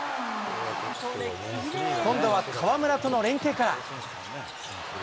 今度は河村との連係から。